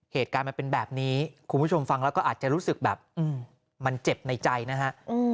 เหตุการณ์มันเป็นแบบนี้คุณผู้ชมฟังแล้วก็อาจจะรู้สึกแบบมันเจ็บในใจนะฮะ